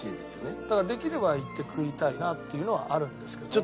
だからできれば行って食いたいなっていうのはあるんですけど。